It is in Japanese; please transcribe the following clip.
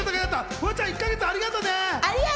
フワちゃん、１か月ありがとね。